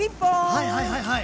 はいはいはいはい。